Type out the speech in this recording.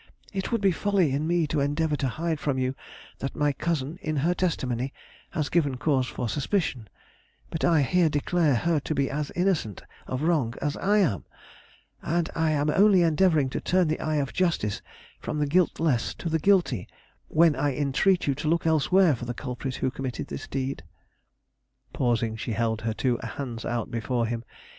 It would be folly in me to endeavor to hide from you that my cousin in her testimony has given cause for suspicion; but I here declare her to be as innocent of wrong as I am; and I am only endeavoring to turn the eye of justice from the guiltless to the guilty when I entreat you to look elsewhere for the culprit who committed this deed." Pausing, she held her two hands out before him.